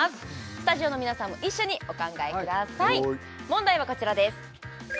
スタジオの皆さんも一緒にお考えください問題はこちらです